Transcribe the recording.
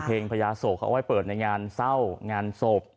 เพลงพระยาโศกเขาเอาไว้เปิดในงานเศร้างานโศก